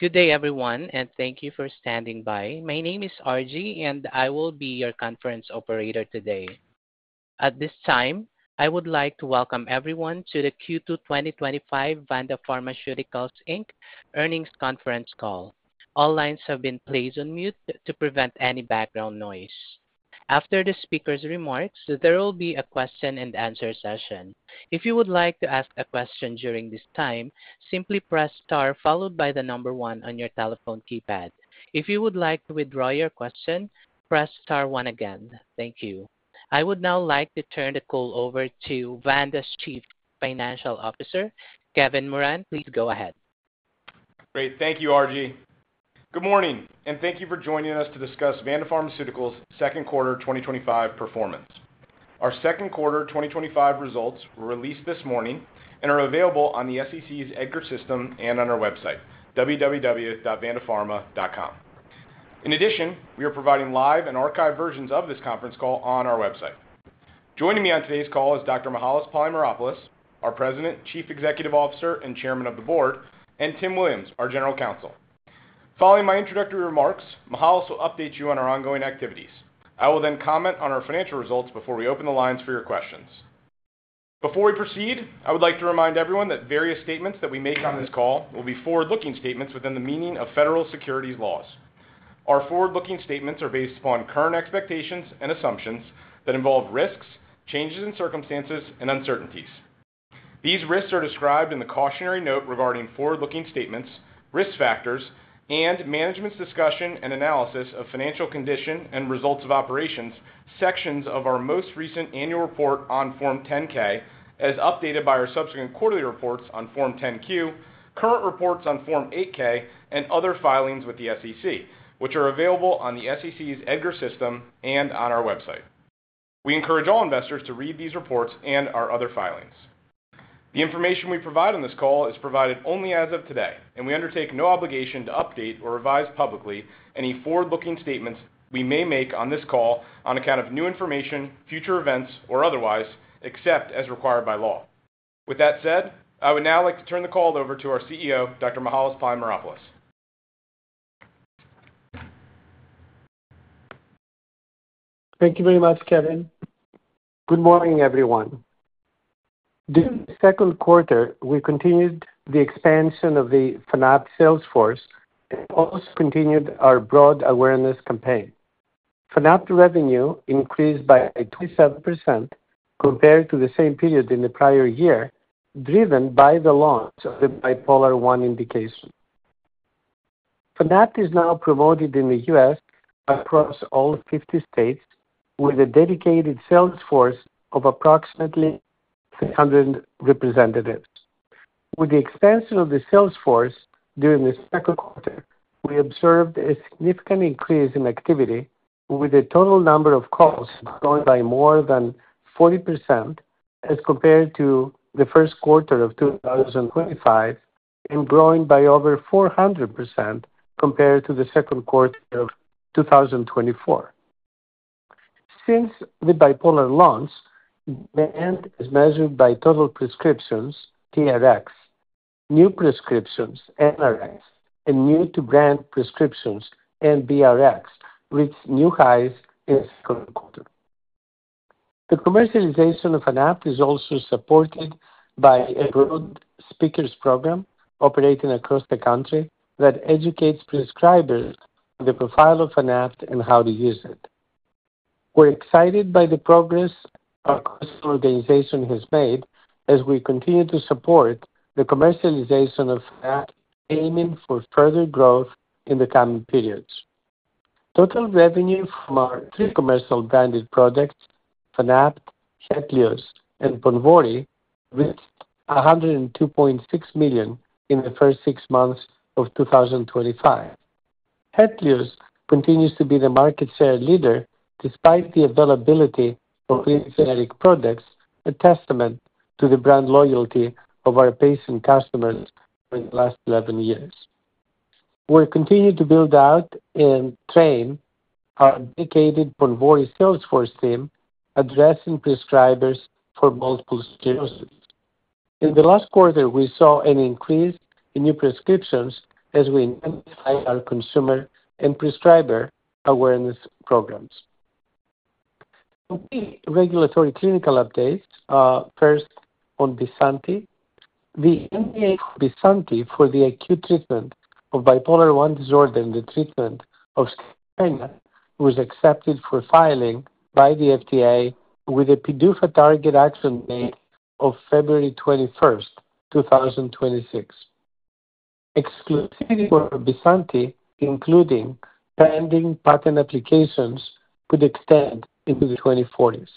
Good day, everyone, and thank you for standing by. My name is Arjie, and I will be your conference operator today. At this time, I would like to welcome everyone to the Q2 2025 Vanda Pharmaceuticals Inc. earnings conference call. All lines have been placed on mute to prevent any background noise. After the speaker's remarks, there will be a question and answer session. If you would like to ask a question during this time, simply press star followed by the number one on your telephone keypad. If you would like to withdraw your question, press star one again. Thank you. I would now like to turn the call over to Vanda's Chief Financial Officer, Kevin Moran. Please go ahead. Great, thank you, Arjie. Good morning, and thank you for joining us to discuss Vanda Pharmaceuticals Inc.'s second quarter 2025 performance. Our second quarter 2025 results were released this morning and are available on the SEC's EDGAR system and on our website, www.vandapharma.com. In addition, we are providing live and archived versions of this conference call on our website. Joining me on today's call is Dr. Mihael Polymeropoulos, our President, Chief Executive Officer, and Chairman of the Board, and Timothy Williams, our General Counsel. Following my introductory remarks, Mihael will update you on our ongoing activities. I will then comment on our financial results before we open the lines for your questions. Before we proceed, I would like to remind everyone that various statements that we make on this call will be forward-looking statements within the meaning of federal securities laws. Our forward-looking statements are based upon current expectations and assumptions that involve risks, changes in circumstances, and uncertainties. These risks are described in the cautionary note regarding forward-looking statements, risk factors, and management's discussion and analysis of financial condition and results of operations, sections of our most recent annual report on Form 10-K, as updated by our subsequent quarterly reports on Form 10-Q, current reports on Form 8-K, and other filings with the SEC, which are available on the SEC's EDGAR system and on our website. We encourage all investors to read these reports and our other filings. The information we provide on this call is provided only as of today, and we undertake no obligation to update or revise publicly any forward-looking statements we may make on this call on account of new information, future events, or otherwise, except as required by law. With that said, I would now like to turn the call over to our CEO, Dr. Mihael Polymeropoulos. Thank you very much, Kevin. Good morning, everyone. This second quarter, we continued the expansion of the Fanapt sales force and also continued our broad awareness campaign. Fanapt revenue increased by 27% compared to the same period in the prior year, driven by the launch of the Bipolar I indication. Fanapt is now promoted in the U.S. across all 50 states with a dedicated sales force of approximately 600 representatives. With the expansion of the sales force during the second quarter, we observed a significant increase in activity, with the total number of calls growing by more than 40% as compared to the first quarter of 2025 and growing by over 400% compared to the second quarter of 2024. Since the Bipolar launch, the end is measured by total prescriptions, TRX, new prescriptions, NRX, and new-to-brand prescriptions, and BRX, which reached new highs in the second quarter. The commercialization of Fanapt is also supported by a broad speakers program operating across the country that educates prescribers on the profile of Fanapt and how to use it. We're excited by the progress our organization has made as we continue to support the commercialization of Fanapt, aiming for further growth in the coming periods. Total revenue from our three commercial branded products, Fanapt, Hetlioz, and Ponvory, reached $102.6 million in the first six months of 2025. Hetlioz continues to be the market share leader despite the availability of new generic products, a testament to the brand loyalty of our patient customers during the last 11 years. We continue to build out and train our dedicated Ponvory sales force team addressing prescribers for multiple sclerosis. In the last quarter, we saw an increase in new prescriptions as we identify our consumer and prescriber awareness programs. Regulatory clinical updates, first on Vasanti. We engaged Vasanti for the acute treatment of Bipolar I Disorder in the treatment of Spina, which was accepted for filing by the FDA with a PDUFA target action date of February 21, 2026. Exclusivity for Vasanti, including pending patent applications, could extend into the 2040s.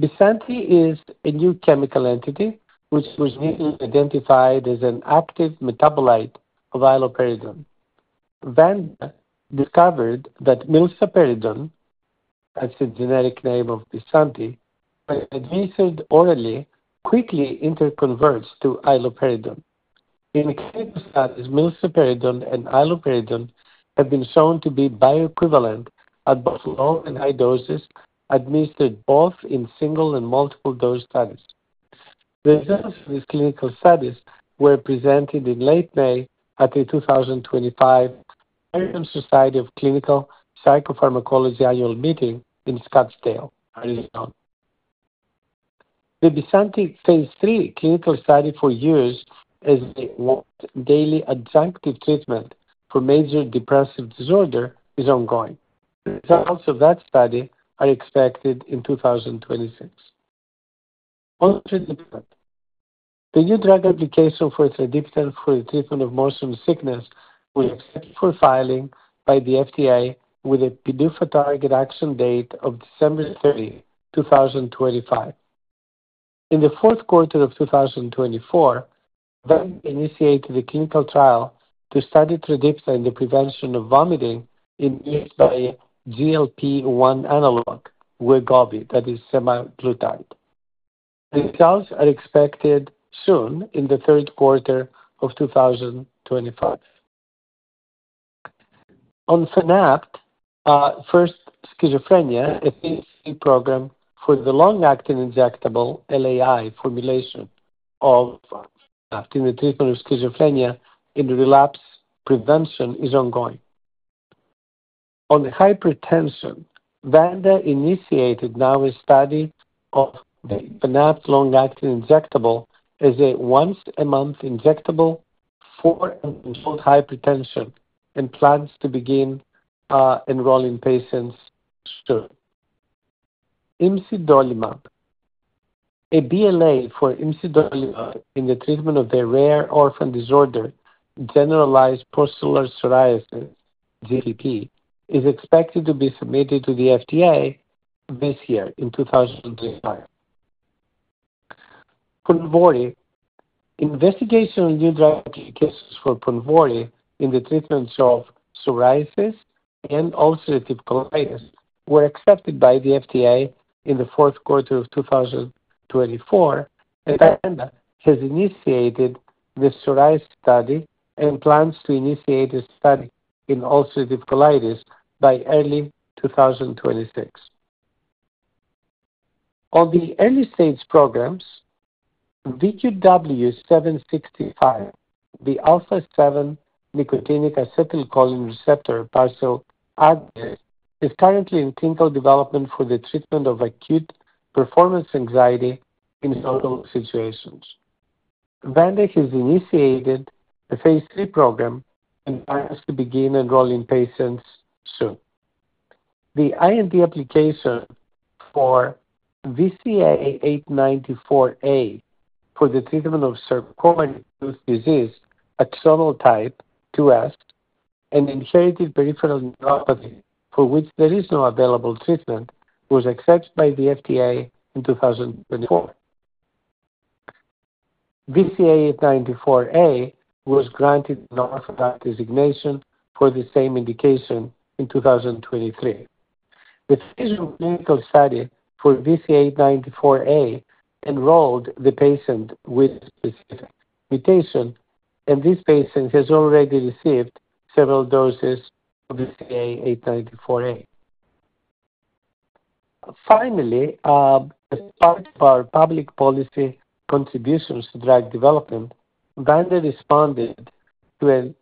Vasanti is a new chemical entity which was initially identified as an active metabolite of iloperidone. Vanda discovered that milsaparidone, that's the generic name of Vasanti, when administered orally, quickly interconverts to iloperidone. In clinical studies, milsaparidone and iloperidone have been shown to be bioequivalent at both low and high doses, administered both in single and multiple dose studies. The results of this clinical study were presented in late May at the 2025 American Society of Clinical Psychopharmacology annual meeting in Scottsdale, Arizona. The Vasanti Phase III clinical study for years as the daily adjunctive treatment for major depressive disorder is ongoing. Results of that study are expected in 2026. On the new drug application for tradipitant for the treatment of motion sickness will be set for filing by the FDA with a PDUFA target action date of December 30, 2025. In the fourth quarter of 2024, Vanda initiated a clinical trial to study tradipitant in the prevention of vomiting in GLP-1 analog, Wegovy, that is semaglutide. Results are expected soon in the third quarter of 2025. On Fanapt, for schizophrenia, a Phase III program for the long-acting injectable LAI formulation of Fanapt in the treatment of schizophrenia in relapse prevention is ongoing. On hypertension, Vanda initiated now a study of the Fanapt long-acting injectable as a once-a-month injectable for uncontrolled hypertension and plans to begin enrolling patients soon. Imsudolimab, a BLA for Imsudolimab in the treatment of the rare orphan disorder, generalized pustular psoriasis, GPP, is expected to be submitted to the FDA this year in 2025. Ponvory, investigation on new drug applications for Ponvory in the treatment of psoriasis and ulcerative colitis were accepted by the FDA in the fourth quarter of 2024, and Vanda has initiated the psoriasis study and plans to initiate a study in ulcerative colitis by early 2026. On the early stage programs, VQW-765, the alpha-7-nicotinic acetylcholine receptor partial agonist is currently in clinical development for the treatment of acute performance anxiety in social situations. Vanda has initiated a Phase III program and plans to begin enrolling patients soon. The IND application for VCA894A for the treatment of Sjögren's disease, a clonal type, 2S, and inherited peripheral neuropathy for which there is no available treatment was accepted by the FDA in 2024. VCA894A was granted an automatic designation for the same indication in 2023. The phase of clinical study for VCA894A enrolled the patient with mutation, and this patient has already received several doses of VCA894A. Finally, as part of our public policy contributions to drug development, Vanda responded to an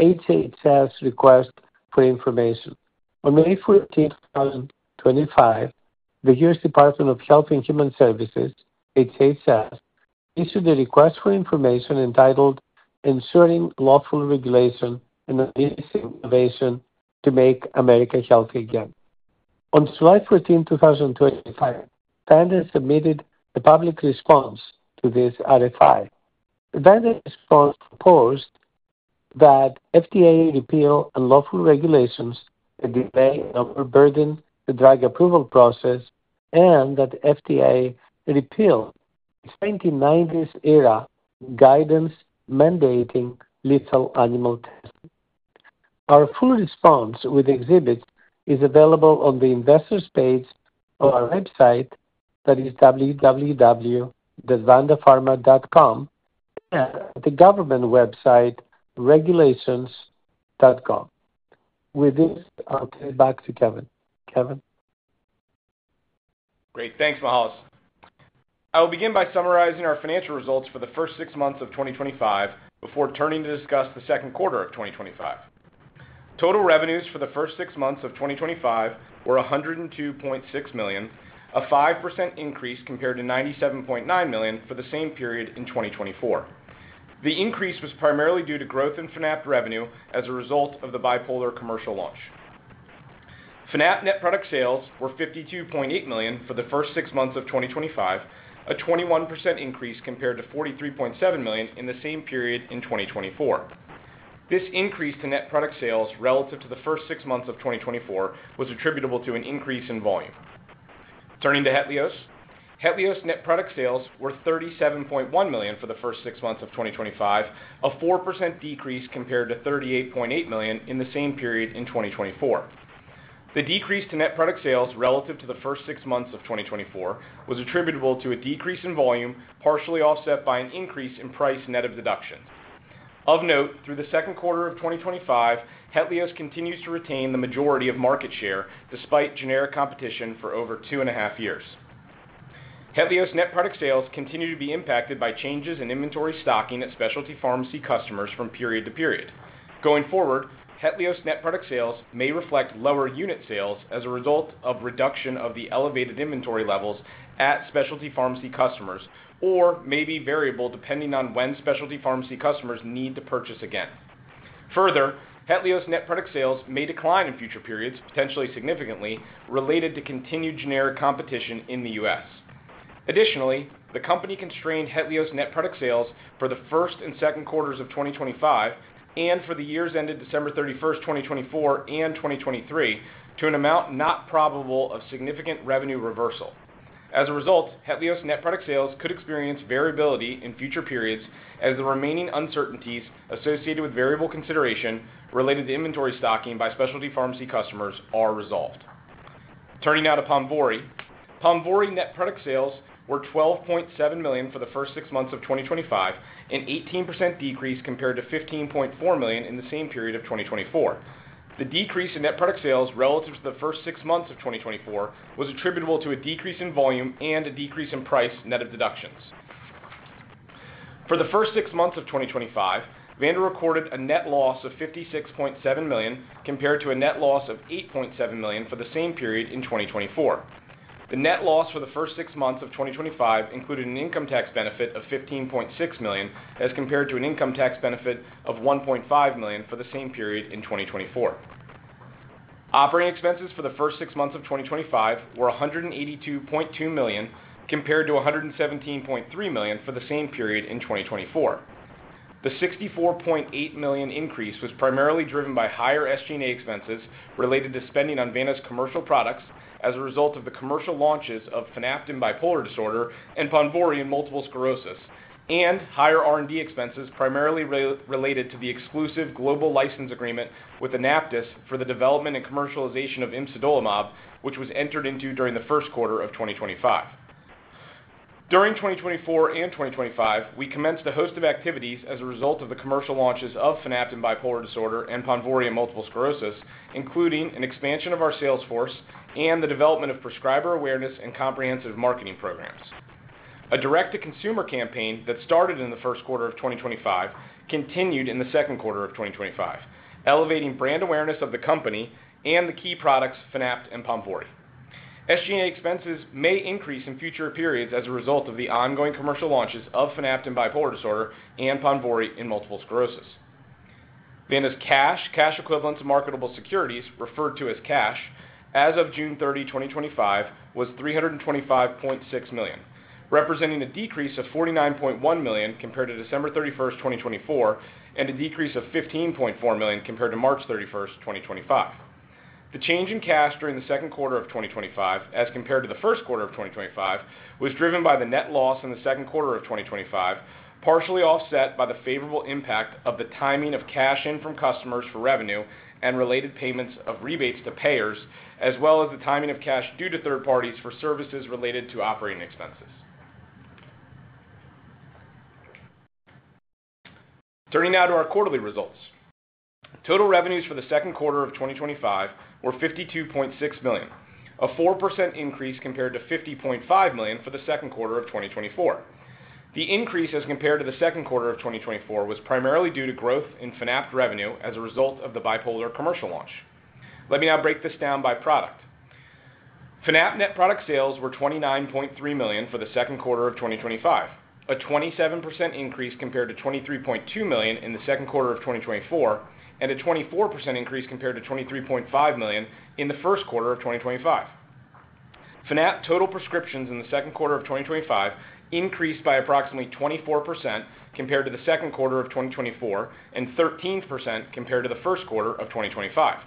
HHS request for information. On May 14th, 2025, the U.S. Department of Health and Human Services, HHS, issued a request for information entitled "Ensuring Lawful Regulation and Innovation to Make America Healthy Again." On July 14th, 2025, Vanda submitted a public response to this RFI. Vanda's response proposed that FDA repeal unlawful regulations that may overburden the drug approval process and that FDA repeal its guidance mandating lethal animal testing. Our full response with exhibits is available on the investors' page of our website, that is www.vandapharma.com, and the government website, regulations.gom. With this, I'll turn it back to Kevin. Kevin. Great, thanks, Mihael. I will begin by summarizing our financial results for the first six months of 2025 before turning to discuss the second quarter of 2025. Total revenues for the first six months of 2025 were $102.6 million, a 5% increase compared to $97.9 million for the same period in 2024. The increase was primarily due to growth in Fanapt revenue as a result of the Bipolar commercial launch. Fanapt net product sales were $52.8 million for the first six months of 2025, a 21% increase compared to $43.7 million in the same period in 2024. This increase to net product sales relative to the first six months of 2024 was attributable to an increase in volume. Turning to Hetlioz, Hetlioz net product sales were $37.1 million for the first six months of 2025, a 4% decrease compared to $38.8 million in the same period in 2024. The decrease to net product sales relative to the first six months of 2024 was attributable to a decrease in volume partially offset by an increase in price net of deductions. Of note, through the second quarter of 2025, Hetlioz continues to retain the majority of market share despite generic competition for over two and a half years. Hetlioz net product sales continue to be impacted by changes in inventory stocking at specialty pharmacy customers from period to period. Going forward, Hetlioz net product sales may reflect lower unit sales as a result of reduction of the elevated inventory levels at specialty pharmacy customers or may be variable depending on when specialty pharmacy customers need to purchase again. Further, Hetlioz net product sales may decline in future periods, potentially significantly related to continued generic competition in the U.S. Additionally, the company constrained Hetlioz net product sales for the first and second quarters of 2025 and for the years ended December 31st, 2024 and 2023 to an amount not probable of significant revenue reversal. As a result, Hetlioz net product sales could experience variability in future periods as the remaining uncertainties associated with variable consideration related to inventory stocking by specialty pharmacy customers are resolved. Turning now to Ponvory, Ponvory net product sales were $12.7 million for the first six months of 2025, an 18% decrease compared to $15.4 million in the same period of 2024. The decrease in net product sales relative to the first six months of 2024 was attributable to a decrease in volume and a decrease in price net of deductions. For the first six months of 2025, Vanda Pharmaceuticals Inc. recorded a net loss of $56.7 million compared to a net loss of $8.7 million for the same period in 2024. The net loss for the first six months of 2025 included an income tax benefit of $15.6 million as compared to an income tax benefit of $1.5 million for the same period in 2024. Operating expenses for the first six months of 2025 were $182.2 million compared to $117.3 million for the same period in 2024. The $64.8 million increase was primarily driven by higher SG&A expenses related to spending on Vanda Pharmaceuticals Inc.'s commercial products as a result of the commercial launches of Fanapt in Bipolar I Disorder and Ponvory in Multiple Sclerosis, and higher R&D expenses primarily related to the exclusive global license agreement with AnaptysBio for the development and commercialization of Imsudolimab, which was entered into during the first quarter of 2025. During 2024 and 2025, we commenced a host of activities as a result of the commercial launches of Fanapt in Bipolar I Disorder and Ponvory in Multiple Sclerosis, including an expansion of our sales force and the development of prescriber awareness and comprehensive marketing programs. A direct-to-consumer campaign that started in the first quarter of 2025 continued in the second quarter of 2025, elevating brand awareness of the company and the key products Fanapt and Ponvory. SG&A expenses may increase in future periods as a result of the ongoing commercial launches of Fanapt in Bipolar I Disorder and Ponvory in Multiple Sclerosis. Vanda Pharmaceuticals Inc.'s cash, cash equivalents, and marketable securities, referred to as cash, as of June 30, 2025, was $325.6 million, representing a decrease of $49.1 million compared to December 31, 2024, and a decrease of $15.4 million compared to March 31st, 2025. The change in cash during the second quarter of 2025 as compared to the first quarter of 2025 was driven by the net loss in the second quarter of 2025, partially offset by the favorable impact of the timing of cash in from customers for revenue and related payments of rebates to payers, as well as the timing of cash due to third parties for services related to operating expenses. Turning now to our quarterly results. Total revenues for the second quarter of 2025 were $52.6 million, a 4% increase compared to $50.5 million for the second quarter of 2024. The increase as compared to the second quarter of 2024 was primarily due to growth in Fanapt revenue as a result of the Bipolar I commercial launch. Let me now break this down by product. Fanapt net product sales were $29.3 million for the second quarter of 2025, a 27% increase compared to $23.2 million in the second quarter of 2024, and a 24% increase compared to $23.5 million in the first quarter of 2025. Fanapt total prescriptions in the second quarter of 2025 increased by approximately 24% compared to the second quarter of 2024 and 13% compared to the first quarter of 2025.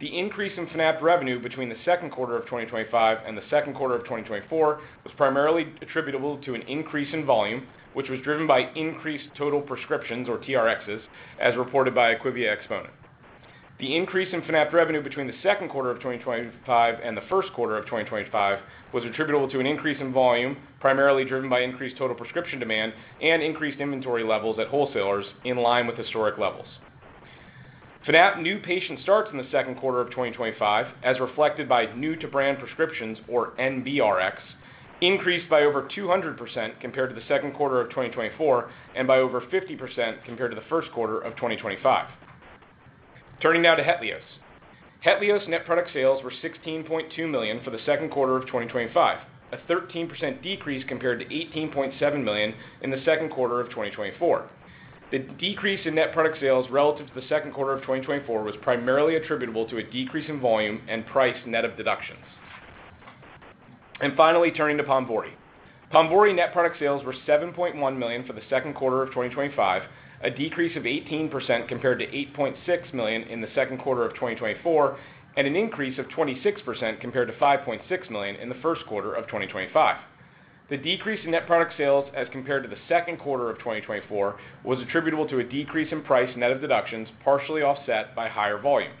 The increase in Fanapt revenue between the second quarter of 2025 and the second quarter of 2024 was primarily attributable to an increase in volume, which was driven by increased total prescriptions or TRXs, as reported by IQVIA Exponent. The increase in Fanapt revenue between the second quarter of 2025 and the first quarter of 2025 was attributable to an increase in volume, primarily driven by increased total prescription demand and increased inventory levels at wholesalers in line with historic levels. Fanapt new patient starts in the second quarter of 2025, as reflected by new-to-brand prescriptions or NBRX, increased by over 200% compared to the second quarter of 2024 and by over 50% compared to the first quarter of 2025. Turning now to Hetlioz. Hetlioz net product sales were $16.2 million for the second quarter of 2025, a 13% decrease compared to $18.7 million in the second quarter of 2024. The decrease in net product sales relative to the second quarter of 2024 was primarily attributable to a decrease in volume and price net of deductions. Finally, turning to Ponvory. Ponvory net product sales were $7.1 million for the second quarter of 2025, a decrease of 18% compared to $8.6 million in the second quarter of 2024, and an increase of 26% compared to $5.6 million in the first quarter of 2025. The decrease in net product sales as compared to the second quarter of 2024 was attributable to a decrease in price net of deductions partially offset by higher volume.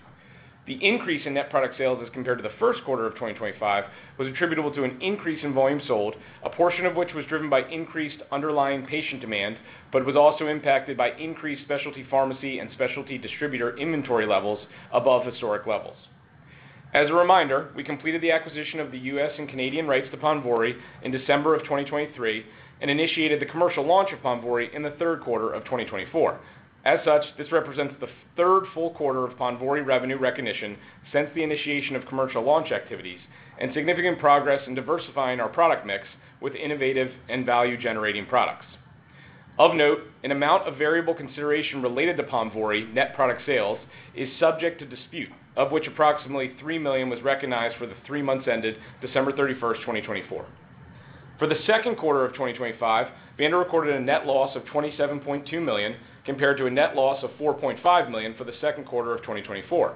The increase in net product sales as compared to the first quarter of 2025 was attributable to an increase in volume sold, a portion of which was driven by increased underlying patient demand, but was also impacted by increased specialty pharmacy and specialty distributor inventory levels above historic levels. As a reminder, we completed the acquisition of the U.S. and Canadian rights to Ponvory in December of 2023 and initiated the commercial launch of Ponvory in the third quarter of 2024. As such, this represents the third full quarter of Ponvory revenue recognition since the initiation of commercial launch activities and significant progress in diversifying our product mix with innovative and value-generating products. Of note, an amount of variable consideration related to Ponvory net product sales is subject to dispute, of which approximately $3 million was recognized for the three months ended December 31st, 2024. For the second quarter of 2025, Vanda Pharmaceuticals Inc. recorded a net loss of $27.2 million compared to a net loss of $4.5 million for the second quarter of 2024.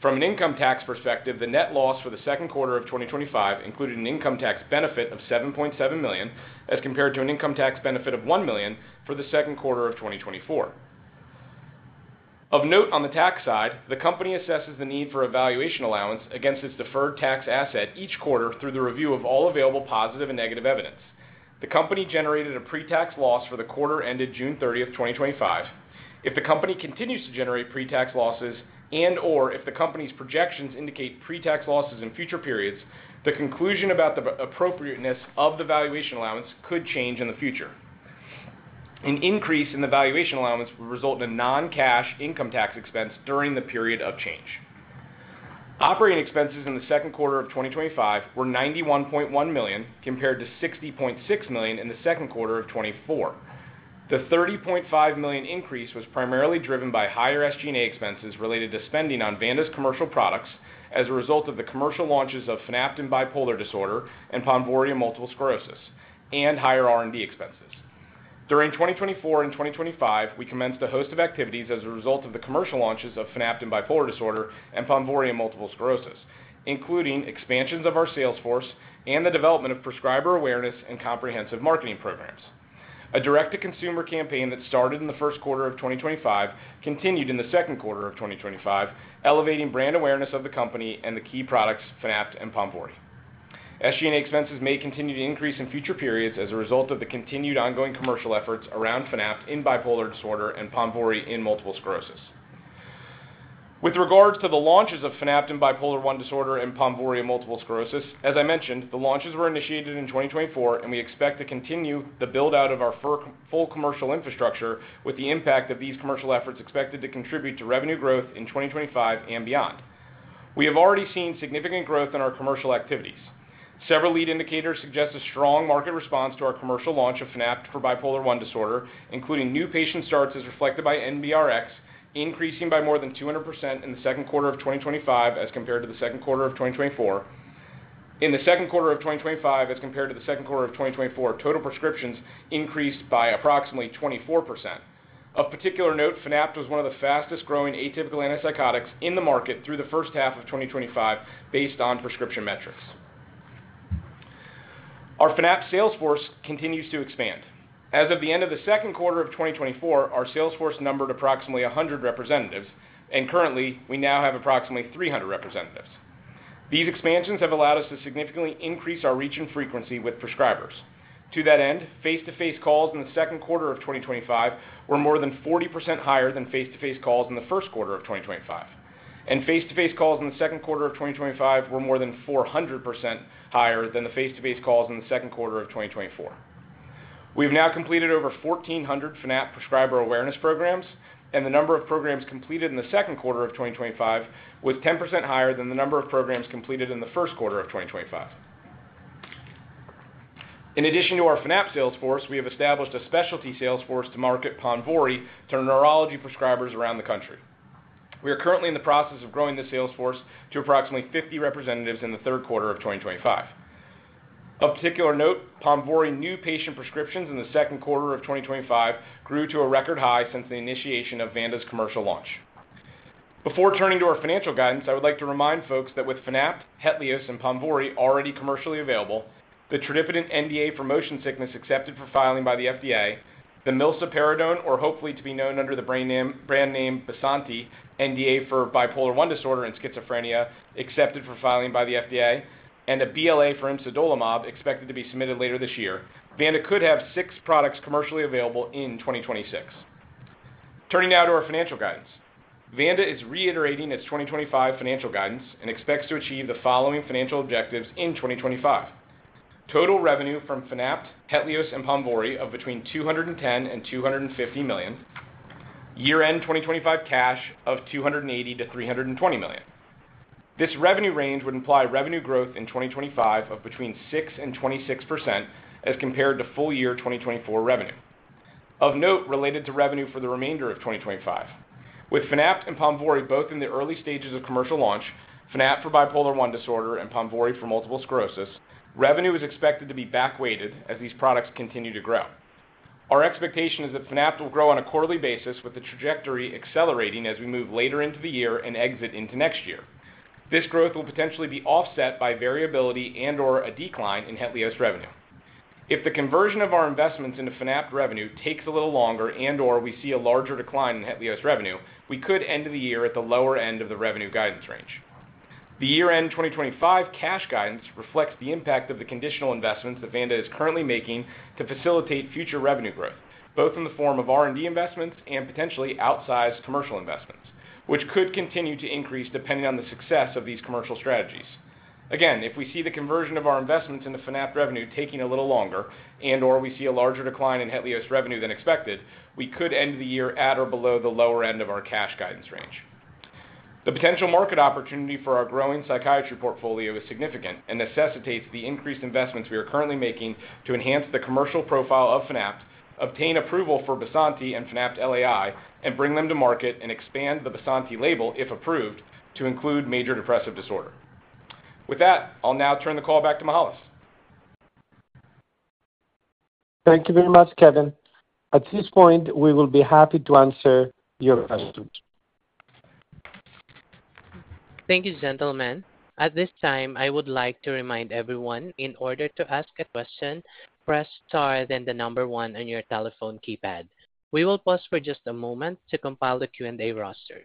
From an income tax perspective, the net loss for the second quarter of 2025 included an income tax benefit of $7.7 million as compared to an income tax benefit of $1 million for the second quarter of 2024. Of note, on the tax side, the company assesses the need for a valuation allowance against its deferred tax asset each quarter through the review of all available positive and negative evidence. The company generated a pre-tax loss for the quarter ended June 30th, 2025. If the company continues to generate pre-tax losses and/or if the company's projections indicate pre-tax losses in future periods, the conclusion about the appropriateness of the valuation allowance could change in the future. An increase in the valuation allowance would result in a non-cash income tax expense during the period of change. Operating expenses in the second quarter of 2025 were $91.1 million compared to $60.6 million in the second quarter of 2024. The $30.5 million increase was primarily driven by higher SG&A expenses related to spending on Vanda Pharmaceuticals Inc.'s commercial products as a result of the commercial launches of Fanapt in Bipolar Disorder and Ponvory in Multiple Sclerosis, and higher R&D expenses. During 2024 and 2025, we commenced a host of activities as a result of the commercial launches of Fanapt in Bipolar Disorder and Ponvory in Multiple Sclerosis, including expansions of our sales force and the development of prescriber awareness and comprehensive marketing programs. A direct-to-consumer campaign that started in the first quarter of 2025 continued in the second quarter of 2025, elevating brand awareness of the company and the key products Fanapt and Ponvory. SG&A expenses may continue to increase in future periods as a result of the continued ongoing commercial efforts around Fanapt in Bipolar Disorder and Ponvory in Multiple Sclerosis. With regards to the launches of Fanapt in Bipolar I Disorder and Ponvory in Multiple Sclerosis, as I mentioned, the launches were initiated in 2024, and we expect to continue the build-out of our full commercial infrastructure with the impact of these commercial efforts expected to contribute to revenue growth in 2025 and beyond. We have already seen significant growth in our commercial activities. Several lead indicators suggest a strong market response to our commercial launch of Fanapt for Bipolar I Disorder, including new patient starts as reflected by NBRX, increasing by more than 200% in the second quarter of 2025 as compared to the second quarter of 2024. In the second quarter of 2025 as compared to the second quarter of 2024, total prescriptions increased by approximately 24%. Of particular note, Fanapt was one of the fastest growing atypical antipsychotics in the market through the first half of 2025 based on prescription metrics. Our Fanapt sales force continues to expand. As of the end of the second quarter of 2024, our sales force numbered approximately 100 representatives, and currently, we now have approximately 300 representatives. These expansions have allowed us to significantly increase our reach and frequency with prescribers. To that end, face-to-face calls in the second quarter of 2025 were more than 40% higher than face-to-face calls in the first quarter of 2025, and face-to-face calls in the second quarter of 2025 were more than 400% higher than the face-to-face calls in the second quarter of 2024. We've now completed over 1,400 Fanapt prescriber awareness programs, and the number of programs completed in the second quarter of 2025 was 10% higher than the number of programs completed in the first quarter of 2025. In addition to our Fanapt sales force, we have established a specialty sales force to market Ponvory to neurology prescribers around the country. We are currently in the process of growing this sales force to approximately 50 representatives in the third quarter of 2025. Of particular note, Ponvory new patient prescriptions in the second quarter of 2025 grew to a record high since the initiation of Vanda's commercial launch. Before turning to our financial guidance, I would like to remind folks that with Fanapt, Hetlioz, and Ponvory already commercially available, the tradipitant NDA for motion sickness accepted for filing by the FDA, the milsaparidone or hopefully to be known under the brand name Vasanti, NDA for Bipolar I Disorder and schizophrenia accepted for filing by the FDA, and a BLA for Imsudolimab expected to be submitted later this year, Vanda could have six products commercially available in 2026. Turning now to our financial guidance, Vanda is reiterating its 2025 financial guidance and expects to achieve the following financial objectives in 2025: total revenue from Fanapt, Hetlioz, and Ponvory of between $210 million and $250 million, year-end 2025 cash of $280 million-$320 million. This revenue range would imply revenue growth in 2025 of between 6% and 26% as compared to full-year 2024 revenue. Of note related to revenue for the remainder of 2025, with Fanapt and Ponvory both in the early stages of commercial launch, Fanapt for Bipolar I Disorder and Ponvory for multiple sclerosis, revenue is expected to be back-weighted as these products continue to grow. Our expectation is that Fanapt will grow on a quarterly basis with the trajectory accelerating as we move later into the year and exit into next year. This growth will potentially be offset by variability and/or a decline in Hetlioz revenue. If the conversion of our investments into Fanapt revenue takes a little longer and/or we see a larger decline in Hetlioz revenue, we could end the year at the lower end of the revenue guidance range. The year-end 2025 cash guidance reflects the impact of the conditional investments that Vanda is currently making to facilitate future revenue growth, both in the form of R&D investments and potentially outsized commercial investments, which could continue to increase depending on the success of these commercial strategies. If we see the conversion of our investments into Fanapt revenue taking a little longer and/or we see a larger decline in Hetlioz revenue than expected, we could end the year at or below the lower end of our cash guidance range. The potential market opportunity for our growing psychiatry portfolio is significant and necessitates the increased investments we are currently making to enhance the commercial profile of Fanapt, obtain approval for Vasanti and Fanapt LAI, and bring them to market and expand the Vasanti label, if approved, to include major depressive disorder. With that, I'll now turn the call back to Mihael. Thank you very much, Kevin. At this point, we will be happy to answer your questions. Thank you, gentlemen. At this time, I would like to remind everyone, in order to ask a question, press star then the number one on your telephone keypad. We will pause for just a moment to compile the Q&A roster.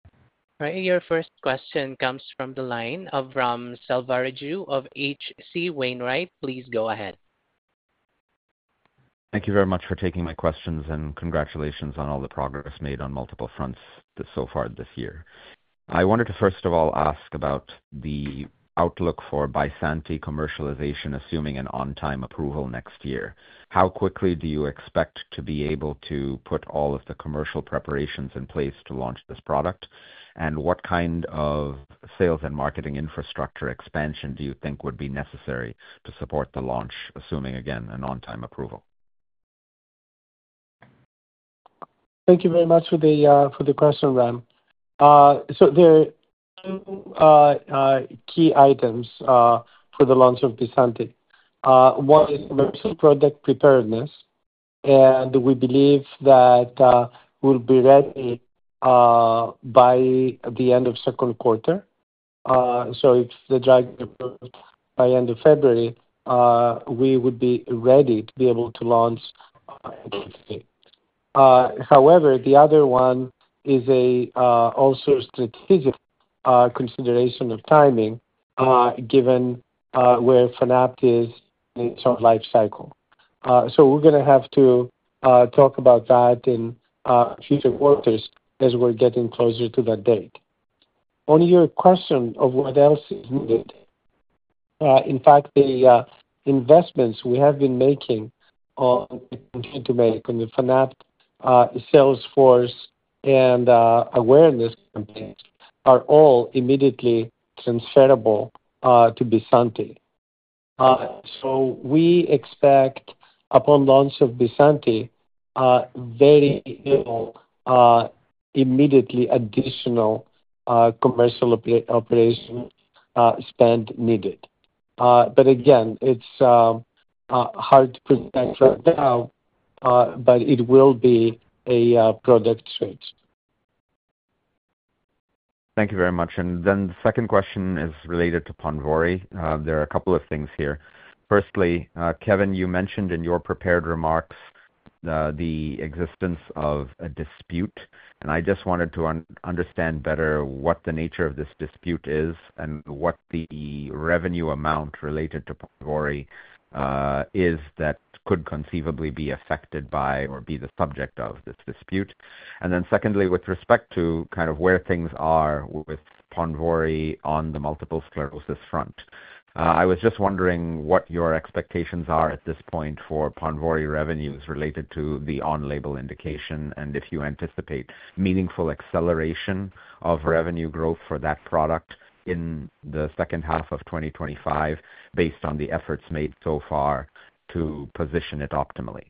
All right, your first question comes from the line of Ram Selvaraju of H.C. Wainwright. Please go ahead. Thank you very much for taking my questions and congratulations on all the progress made on multiple fronts so far this year. I wanted to first of all ask about the outlook for Vasanti commercialization, assuming an on-time approval next year. How quickly do you expect to be able to put all of the commercial preparations in place to launch this product? What kind of sales and marketing infrastructure expansion do you think would be necessary to support the launch, assuming again an on-time approval? Thank you very much for the question, Ram. There are two key items for the launch of Vasanti. One is virtual product preparedness, and we believe that we'll be ready by the end of the second quarter. If the drug is ready by the end of February, we would be ready to be able to launch it. The other one is also a strategic consideration of timing, given where Fanapt is in its own lifecycle. We are going to have to talk about that in future quarters as we're getting closer to that date. On your question of what else is needed, in fact, the investments we have been making and continue to make in the Fanapt sales force and awareness campaigns are all immediately transferable to Vasanti. We expect, upon launch of Vasanti, very little immediately additional commercial operation spend needed. Again, it's hard to project right now, but it will be a product change. Thank you very much. The second question is related to Ponvory. There are a couple of things here. Firstly, Kevin, you mentioned in your prepared remarks the existence of a dispute. I just wanted to understand better what the nature of this dispute is and what the revenue amount related to Ponvory is that could conceivably be affected by or be the subject of this dispute. Secondly, with respect to where things are with Ponvory on the multiple sclerosis front, I was just wondering what your expectations are at this point for Ponvory revenues related to the on-label indication and if you anticipate meaningful acceleration of revenue growth for that product in the second half of 2025 based on the efforts made so far to position it optimally.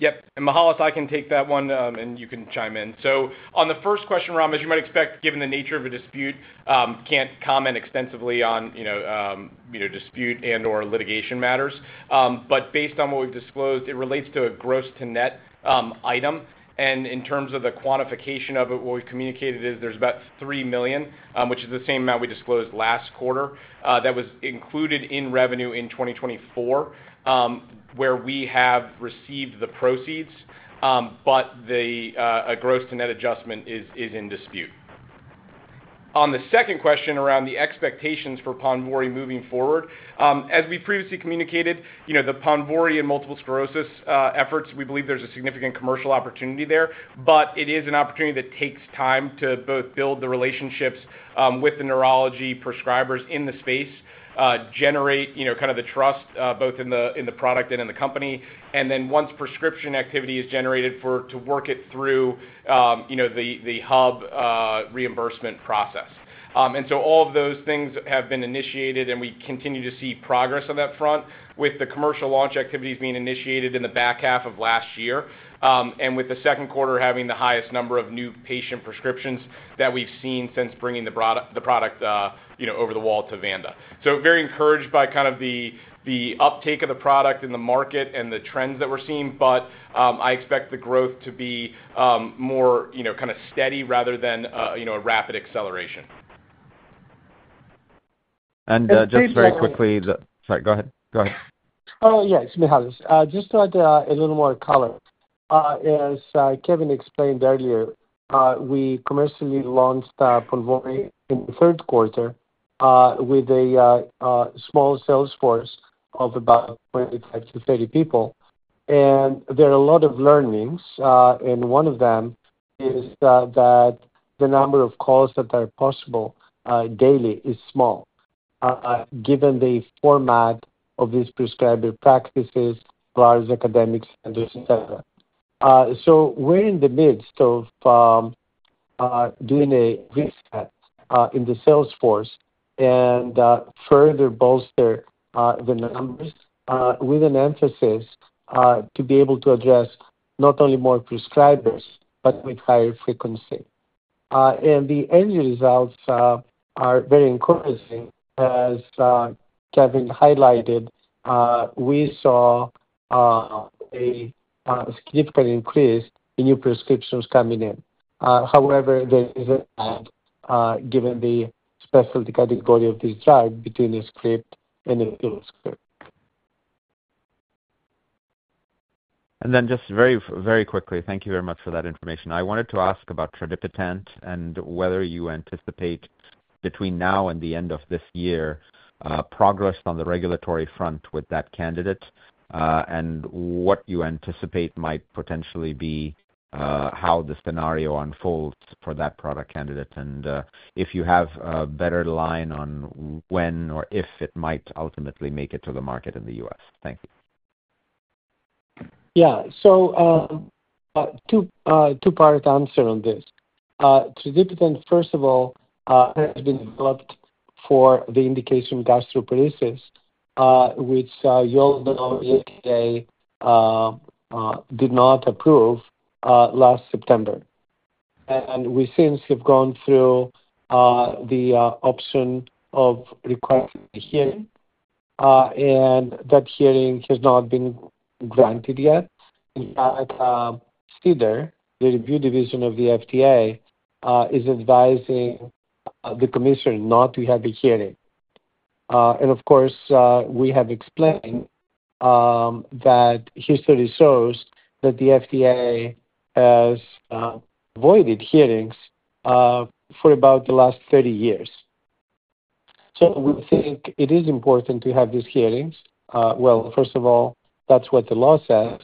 Yep. Mihael, I can take that one and you can chime in. On the first question, Ram, as you might expect, given the nature of a dispute, can't comment extensively on dispute and/or litigation matters. Based on what we've disclosed, it relates to a gross-to-net item. In terms of the quantification of it, what we've communicated is there's about $3 million, which is the same amount we disclosed last quarter that was included in revenue in 2024, where we have received the proceeds, but the gross-to-net adjustment is in dispute. On the second question around the expectations for Ponvory moving forward, as we previously communicated, the Ponvory and multiple sclerosis efforts, we believe there's a significant commercial opportunity there, but it is an opportunity that takes time to both build the relationships with the neurology prescribers in the space and generate the trust both in the product and in the company. Once prescription activity is generated, we work it through the hub reimbursement process. All of those things have been initiated and we continue to see progress on that front with the commercial launch activities being initiated in the back half of last year. The second quarter had the highest number of new patient prescriptions that we've seen since bringing the product over the wall to Vanda. Very encouraged by the uptake of the product in the market and the trends that we're seeing, but I expect the growth to be more steady rather than a rapid acceleration. Just very quickly, go ahead. Yeah, it's Mihael. Just to add a little more color. As Kevin explained earlier, we commercially launched Ponvory in the third quarter with a small sales force of about 25-30 people. There are a lot of learnings, and one of them is that the number of calls that are possible daily is small, given the format of these prescriber practices, large academics, et cetera. We are in the midst of doing a reset in the sales force and further bolster the numbers with an emphasis to be able to address not only more prescribers, but with higher frequency. The end results are very encouraging. As Kevin highlighted, we saw a significant increase in new prescriptions coming in. However, there is a given the specialty category of this drug between a script and a pill script. Thank you very much for that information. I wanted to ask about tradipitant and whether you anticipate between now and the end of this year, progress on the regulatory front with that candidate, and what you anticipate might potentially be, how the scenario unfolds for that product candidate, and if you have a better line on when or if it might ultimately make it to the market in the U.S. Thank you. Yeah, so, two-part answer on this. Tradipitant, first of all, has been developed for the indication of gastroparesis, which, you all know the FDA did not approve, last September. We since have gone through the option of requesting a hearing, and that hearing has not been granted yet. In fact, CDER, the review division of the FDA, is advising the commission not to have a hearing. Of course, we have explained that history shows that the FDA has avoided hearings for about the last 30 years. We think it is important to have these hearings. First of all, that's what the law says.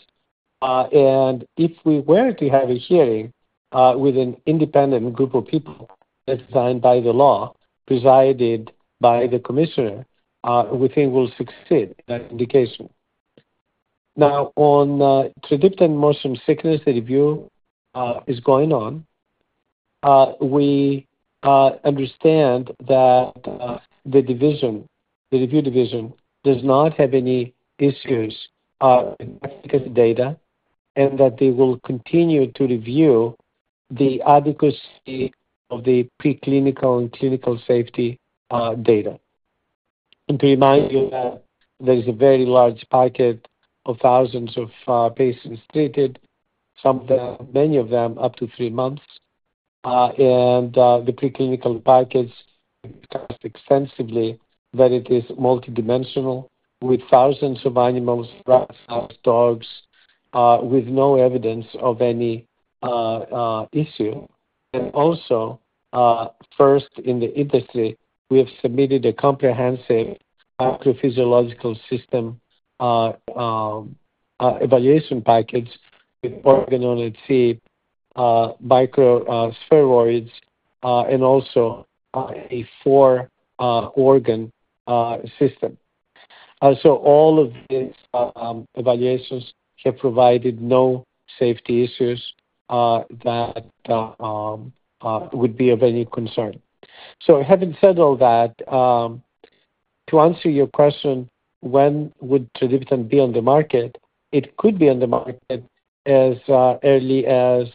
If we were to have a hearing with an independent group of people that's assigned by the law, presided by the commissioner, we think we'll succeed in that indication. Now, on tradipitant motion sickness review, it is going on. We understand that the division, the review division, does not have any issues because of data and that they will continue to review the adequacy of the preclinical and clinical safety data. To remind you, there is a very large packet of thousands of patients treated, some of them, many of them, up to three months. The preclinical packet is cast extensively, but it is multidimensional with thousands of animals, rats, dogs, with no evidence of any issue. Also, first in the industry, we have submitted a comprehensive microphysiological system evaluation package with organ-on-a-chip, micro spheroids, and also a four-organ system. All of these evaluations have provided no safety issues that would be of any concern. Having said all that, to answer your question, when would tradipitant be on the market? It could be on the market as early as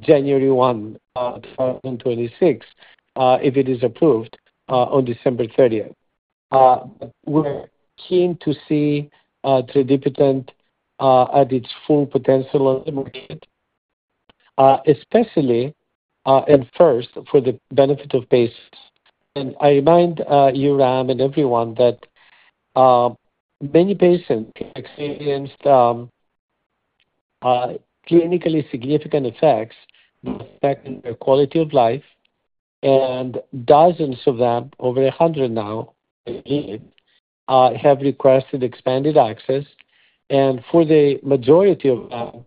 January 1, 2026, if it is approved on December 30. We're keen to see tradipitant at its full potential immediately, especially and first for the benefit of patients. I remind you, Ram, and everyone that many patients experienced clinically significant effects affecting their quality of life, and dozens of them, over 100 now, have requested expanded access. For the majority, the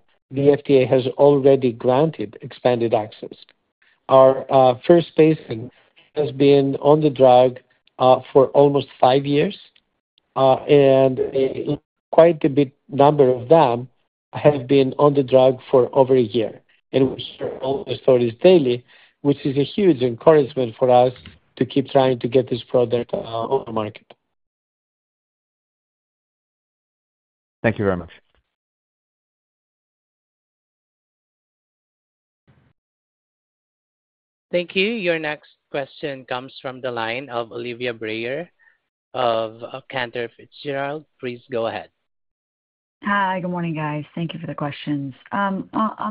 FDA has already granted expanded access. Our first patient has been on the drug for almost five years, and quite a big number of them have been on the drug for over a year. We share all the stories daily, which is a huge encouragement for us to keep trying to get this product on the market. Thank you very much. Thank you. Your next question comes from the line of Olivia Breyer of Cantor Fitzgerald. Please go ahead. Hi, good morning, guys. Thank you for the questions. On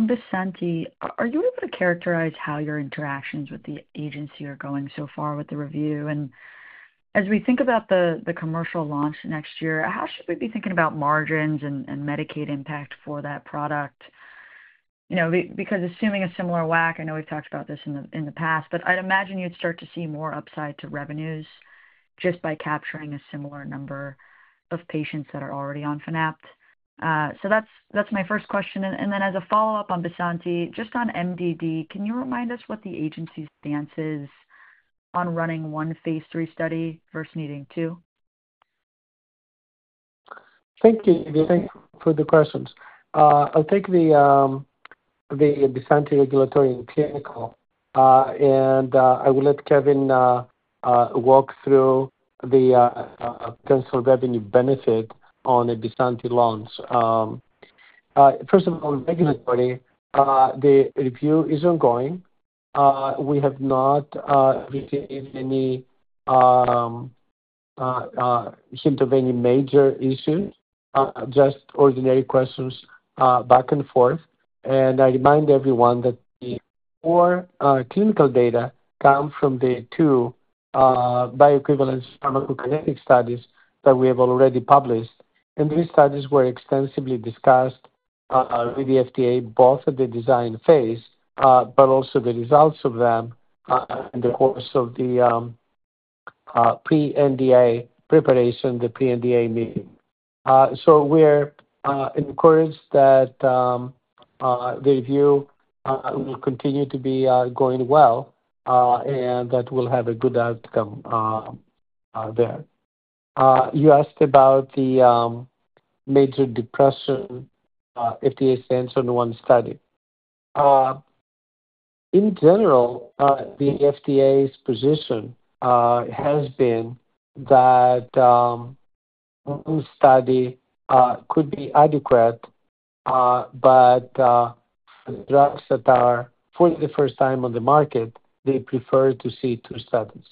Vasanti, are you able to characterize how your interactions with the agency are going so far with the review? As we think about the commercial launch next year, how should we be thinking about margins and Medicaid impact for that product? You know, because assuming a similar WAC, I know we've talked about this in the past, but I'd imagine you'd start to see more upside to revenues just by capturing a similar number of patients that are already on Fanapt. That's my first question. As a follow-up on Vasanti, just on MDD, can you remind us what the agency's stance is on running one Phase III study versus needing two? Thank you, Evy, for the questions. I'll take the Vasanti regulatory and clinical, and I will let Kevin walk through the canceled revenue benefit on a Vasanti launch. First of all, regulatory, the review is ongoing. We have not retained any hint of any major issues, just ordinary questions back and forth. I remind everyone that the four clinical data come from the two bioequivalence pharmacokinetic studies that we have already published. These studies were extensively discussed with the FDA, both at the design phase and also the results of them in the course of the pre-NDA preparation, the pre-NDA meeting. We're encouraged that the review will continue to be going well and that we'll have a good outcome there. You asked about the major depression FDA stands on one study. In general, the FDA's position has been that one study could be adequate, but drugs that are for the first time on the market, they prefer to see two studies.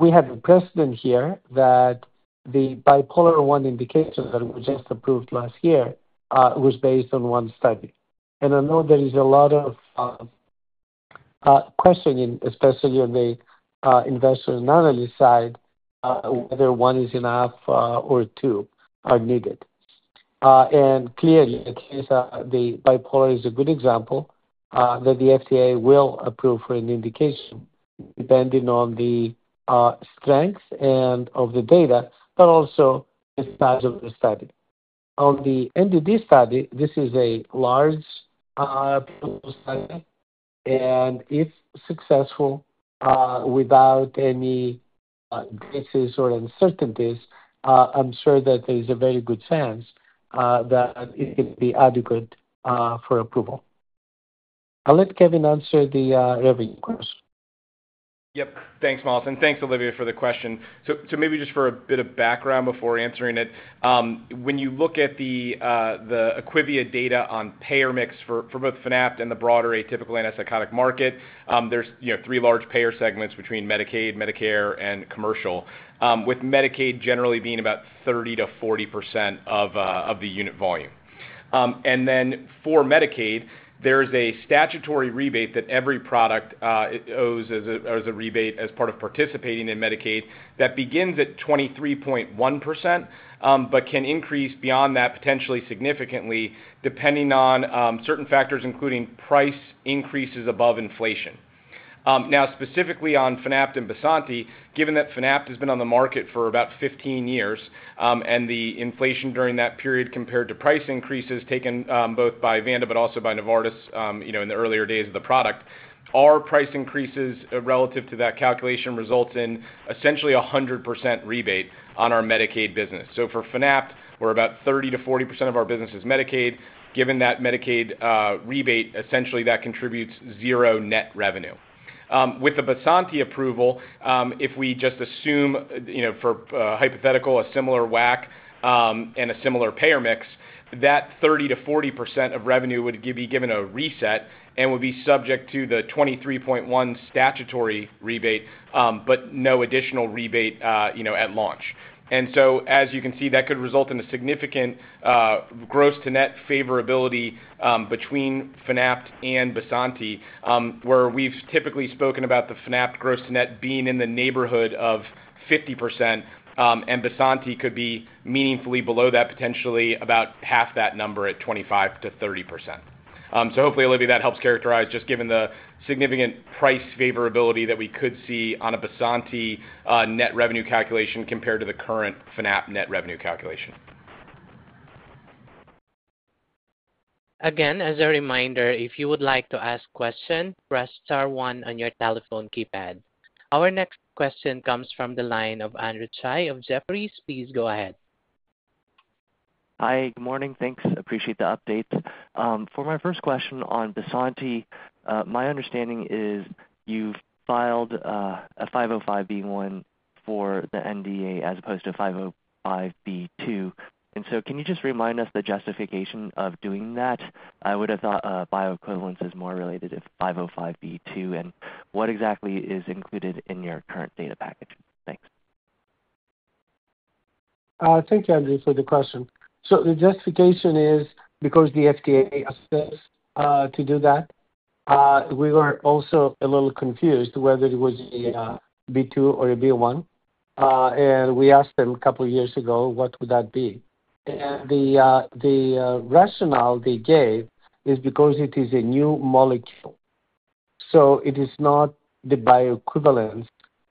We have a precedent here that the Bipolar I indication that was just approved last year was based on one study. I know there is a lot of questioning, especially on the investor's and analyst's side, whether one is enough or two are needed. Clearly, the Bipolar is a good example that the FDA will approve for an indication depending on the strength and of the data, but also the size of the study. On the NDD study, this is a large study. If successful, without any glitches or uncertainties, I'm sure that there is a very good chance that it can be adequate for approval. I'll let Kevin answer the revenue question. Yep. Thanks, Mihael. And thanks, Olivia, for the question. Maybe just for a bit of background before answering it, when you look at the IQVIA data on payer mix for both Fanapt and the broader atypical antipsychotic market, there are three large payer segments between Medicaid, Medicare, and commercial, with Medicaid generally being about 30%-40% of the unit volume. For Medicaid, there's a statutory rebate that every product owes as a rebate as part of participating in Medicaid that begins at 23.1%, but can increase beyond that potentially significantly depending on certain factors, including price increases above inflation. Now, specifically on Fanapt and Vasanti, given that Fanapt has been on the market for about 15 years, and the inflation during that period compared to price increases taken both by Vanda, but also by Novartis in the earlier days of the product, our price increases relative to that calculation result in essentially a 100% rebate on our Medicaid business. For Fanapt, where about 30%-40% of our business is Medicaid, given that Medicaid rebate, essentially that contributes zero net revenue. With the Vasanti approval, if we just assume, for hypothetical, a similar WAC and a similar payer mix, that 30%-40% of revenue would be given a reset and would be subject to the 23.1% statutory rebate, but no additional rebate at launch. As you can see, that could result in a significant gross-to-net favorability between Fanapt and Vasanti, where we've typically spoken about the Fanapt gross-to-net being in the neighborhood of 50%, and Vasanti could be meaningfully below that, potentially about half that number at 25% to 30%. Hopefully, Olivia, that helps characterize just given the significant price favorability that we could see on a Vasanti net revenue calculation compared to the current Fanapt net revenue calculation. Again, as a reminder, if you would like to ask a question, press star one on your telephone keypad. Our next question comes from the line of Andrew Tsai of Jefferies. Please go ahead. Hi, good morning. Thanks. Appreciate the updates. For my first question on Vasanti, my understanding is you've filed a 505(b)(1) for the NDA as opposed to a 505(b)(2). Can you just remind us the justification of doing that? I would have thought bioequivalence is more related to 505(b)(2). What exactly is included in your current data package? Thanks. Thank you, Andrew, for the question. The justification is because the FDA asked us to do that. We were also a little confused whether it was a B2 or a B1. We asked them a couple of years ago what would that be, and the rationale they gave is because it is a new molecule. It is not the bioequivalence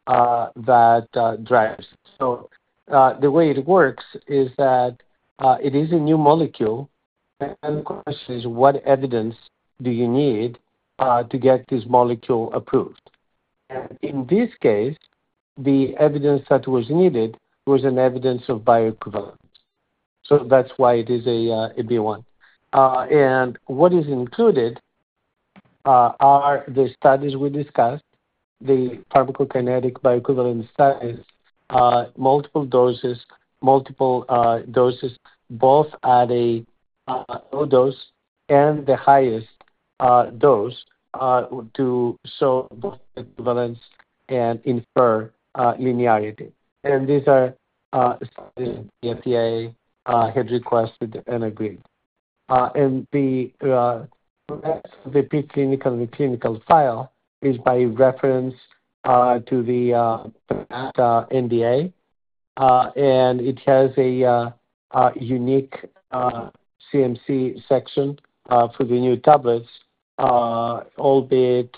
that drives it. The way it works is that it is a new molecule. The question is, what evidence do you need to get this molecule approved? In this case, the evidence that was needed was an evidence of bioequivalence. That's why it is a B1. What is included are the studies we discussed, the pharmacokinetic bioequivalent studies, multiple doses, both at a low dose and the highest dose to show both equivalence and infer linearity. These are what the FDA had requested and agreed. The preclinical and clinical file is by reference to the NDA, and it has a unique CMC section for the new tablets, albeit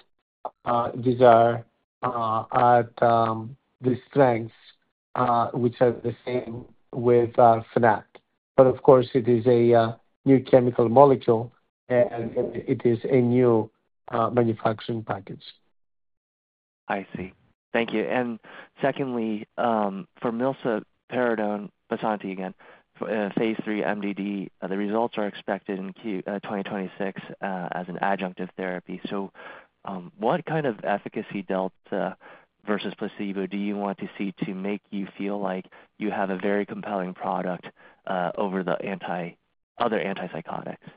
these are at the strengths which are the same with Fanapt. Of course, it is a new chemical molecule and it is a new manufacturing package. I see. Thank you. For milsaparidone, Vasanti again, Phase III MDD, the results are expected in 2026 as an adjunctive therapy. What kind of efficacy delta versus placebo do you want to see to make you feel like you have a very compelling product over the other antipsychotics?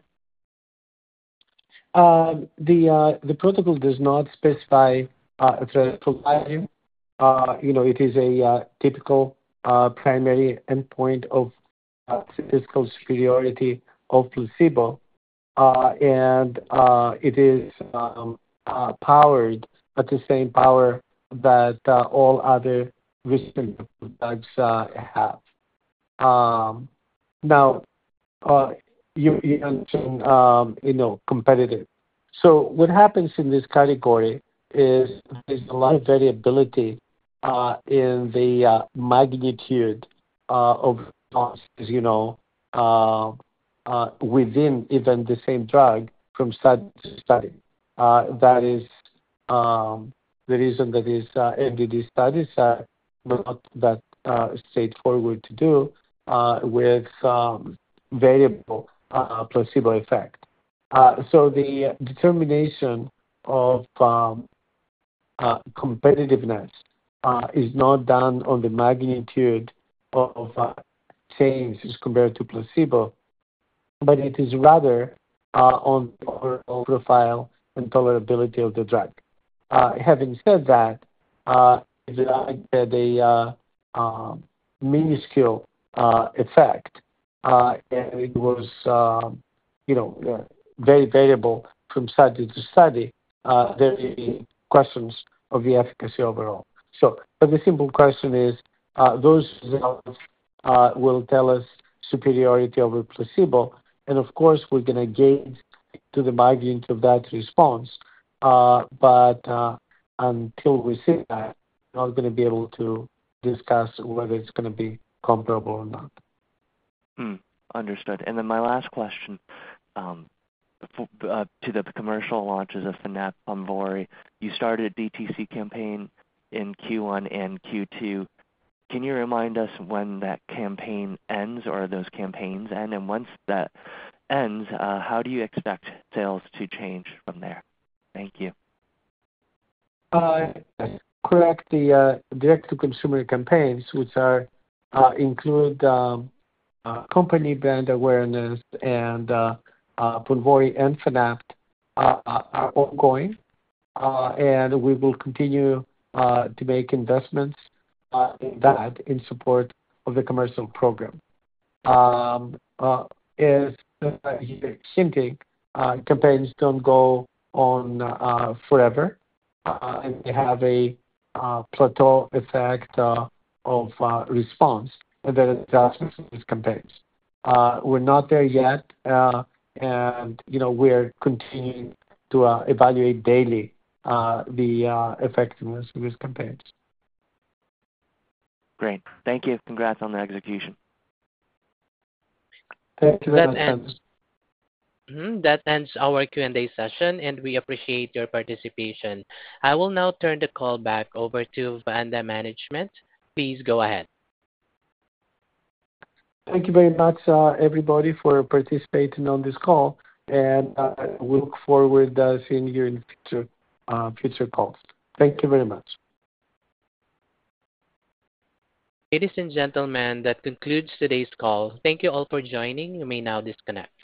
The protocol does not specify a drug for value. It is a typical primary endpoint of statistical superiority of placebo, and it is powered at the same power that all other recent drugs have. Now, you know, competitive. What happens in this category is there's a lot of variability in the magnitude of losses, within even the same drug from study to study. That is the reason that these NDD studies are not that straightforward to do with variable placebo effect. The determination of competitiveness is not done on the magnitude of changes compared to placebo, but it is rather on profile and tolerability of the drug. Having said that, the minuscule effect, and it was very variable from study to study, there are questions of the efficacy overall. The simple question is, those results will tell us superiority over placebo. Of course, we're going to gauge to the magnitude of that response. Until we see that, I'm not going to be able to discuss whether it's going to be comparable or not. Understood. My last question is to the commercial launches of Fanapt and Ponvory. You started a BTC campaign in Q1 and Q2. Can you remind us when that campaign ends or when those campaigns end? Once that ends, how do you expect sales to change from there? Thank you. Correct. The direct-to-consumer campaigns, which include company brand awareness and Ponvory and Fanapt, are ongoing. We will continue to make investments in that in support of the commercial program. As you can see, campaigns do not go on forever and have a plateau effect of response that exacerbates campaigns. We are not there yet. We are continuing to evaluate daily the effectiveness of these campaigns. Great. Thank you. Congrats on the execution. Thank you very much. That ends our Q&A session, and we appreciate your participation. I will now turn the call back over to Vanda Management. Please go ahead. Thank you very much, everybody, for participating on this call. We look forward to seeing you in future calls. Thank you very much. Ladies and gentlemen, that concludes today's call. Thank you all for joining. You may now disconnect.